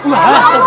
daar keliatan takut